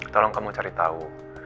tolong kamu cari tau